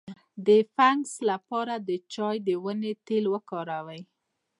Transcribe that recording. د فنګس لپاره د چای د ونې تېل وکاروئ